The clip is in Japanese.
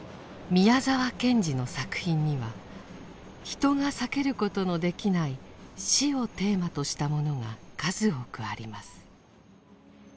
宮沢賢治の作品には人が避けることのできない死をテーマとしたものが数多くあります。